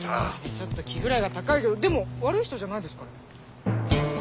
ちょっと気位が高いけどでも悪い人じゃないですから。